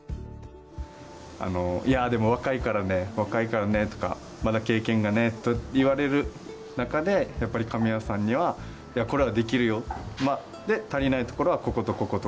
あの「いやでも若いからね若いからね」とか「まだ経験がね」と言われる中でやっぱり神谷さんには「いやこれはできるよ」。「足りないところはこことこことここだね」。